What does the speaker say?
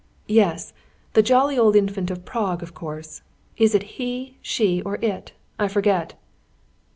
"Yes, the jolly old Infant of Prague, of course. Is it 'he,' 'she,' or 'it'? I forget."